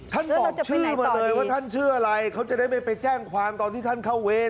บอกชื่อมาเลยว่าท่านชื่ออะไรเขาจะได้ไม่ไปแจ้งความตอนที่ท่านเข้าเวร